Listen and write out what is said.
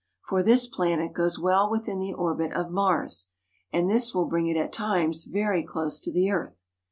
For this planet goes well within the orbit of Mars, and this will bring it at times very close to the earth.